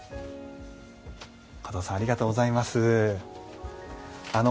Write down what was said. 加藤さんありがとうございます。